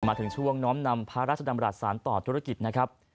มาถึงช่วงน้อมนำพระราชดำรัฐสารต่อธุรกิจนะครับ